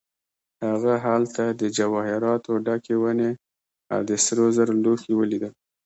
هغه هلته د جواهراتو ډکې ونې او د سرو زرو لوښي ولیدل.